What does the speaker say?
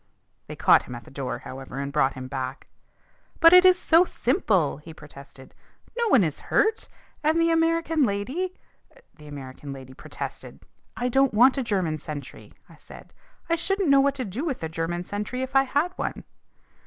They caught him at the door, however, and brought him back. "But it is so simple," he protested. "No one is hurt. And the American lady " The American lady protested. "I don't want a German sentry," I said. "I shouldn't know what to do with a German sentry if I had one."